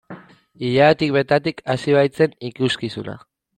Ilaratik bertatik hasi baitzen ikuskizuna.